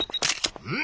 うん？